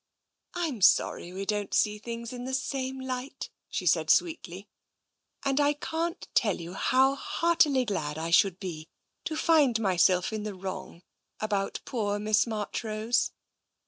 I'm sorry we don't see things in the same light," she said sweetly, "and I can't tell you how heartily glad I should be to find myself in the wrong about poor Miss Marchrose."